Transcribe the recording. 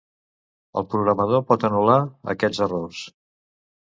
El programador pot anular aquests errors.